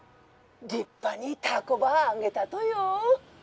☎立派に凧ばあげたとよ。